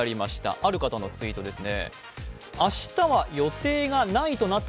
ある方のツイートですね。